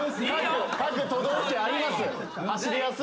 各都道府県あります